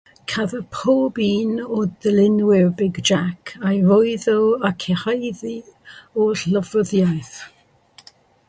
Cafodd pob un o ddilynwyr Big Jack eu rhwydo a'u cyhuddo o lofruddiaeth.